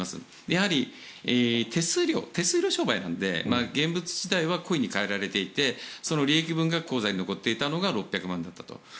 やはり手数料商売なので現物自体はコインに換えられていてその利益分が口座に残っていたのが６００万円だったと。